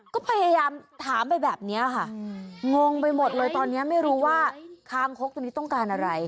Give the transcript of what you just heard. ก็พยายามถามไปแบบนี้ค่ะงงไปหมดเลยตอนนี้ไม่รู้ว่าคางคกตัวนี้ต้องการอะไร